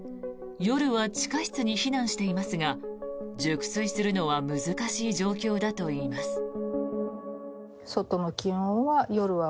夜は地下室に避難していますが熟睡するのは難しい状況だといいます。